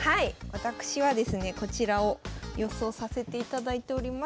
私はですねこちらを予想させていただいております。